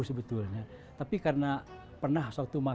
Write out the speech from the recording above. setelah memiliki kekuatan ketubuh